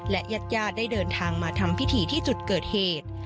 และญาติญาติได้เดินทางมาทำพิธีที่จุดเกิดเหตุ